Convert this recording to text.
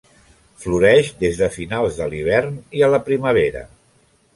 Floreix des de finals de l'hivern i a la primavera.